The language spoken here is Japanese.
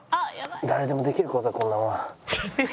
誰でもできる事だこんなもん。